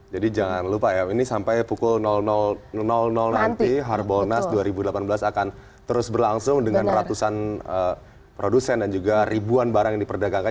jadi jangan lupa ya ini sampai pukul nanti harabolas dua ribu delapan belas akan terus berlangsung dengan ratusan produsen dan juga ribuan barang yang diperdagangkan